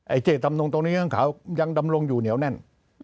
เจตำนงตรงนี้ข้างขาวยังดำรงอยู่เหนียวแน่น